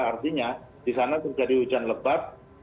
artinya di sana terjadi hujan lebat